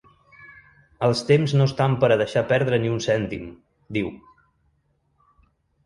“Els temps no estan per a deixar perdre ni un cèntim”, diu.